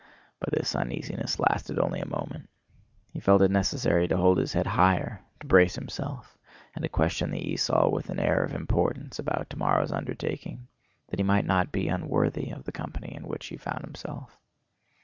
But this uneasiness lasted only a moment. He felt it necessary to hold his head higher, to brace himself, and to question the esaul with an air of importance about tomorrow's undertaking, that he might not be unworthy of the company in which he found himself.